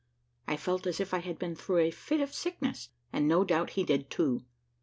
I felt as if I had been through a fit of sickness, and no doubt he did too.